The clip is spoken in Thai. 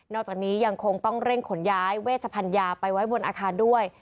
จากนี้ยังคงต้องเร่งขนย้ายเวชพันยาไปไว้บนอาคารด้วย